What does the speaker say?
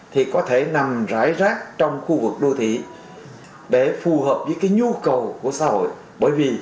thì có thể nằm rải rác trong khu vực đô thị để phù hợp với nhu cầu của xã hội